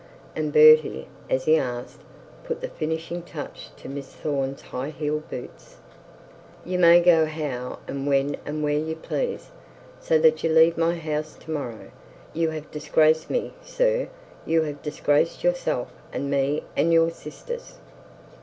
said Bertie, as he asked, put the finishing touch to Miss Thorne's high heeled boots. 'You may go how and when and where you please, so that you leave my house to morrow. You have disgraced me, sir; you have disgraced yourself, and me, and your sisters.'